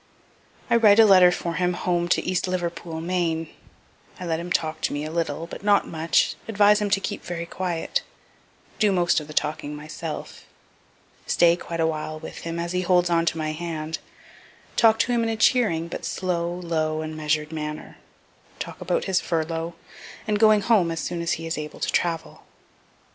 I write a letter for him home to East Livermore, Maine I let him talk to me a little, but not much, advise him to keep very quiet do most of the talking myself stay quite a while with him, as he holds on to my hand talk to him in a cheering, but slow, low and measured manner talk about his furlough, and going home as soon as he is able to travel.